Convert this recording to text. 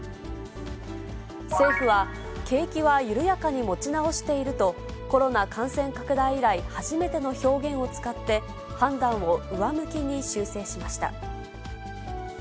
政府は、景気は緩やかに持ち直していると、コロナ感染拡大以来初めての表現を使って、判断を上向きに修正しました。